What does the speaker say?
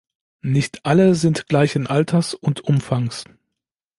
Nicht alle sind gleichen Alters und Umfangs.